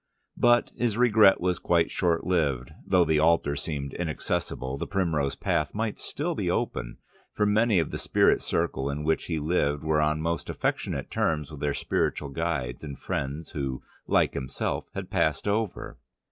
But his regret was quite short lived; though the altar seemed inaccessible, the primrose path might still be open, for many of the spiritualistic circle in which he lived were on most affectionate terms with their spiritual guides and friends who, like himself, had passed over.